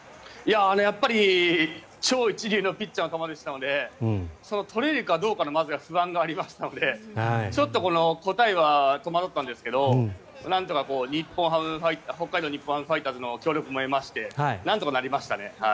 やっぱり超一流のピッチャーの球でしたのでとれるかどうかの不安がまずありましたのでちょっと、答えは戸惑ったんですけどなんとか北海道日本ハムファイターズの協力も得ましてなんとかなりましたね。